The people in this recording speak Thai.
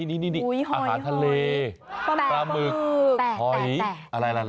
นี่อาหารทะเลปลาหมึกหอยอะไรล่ะ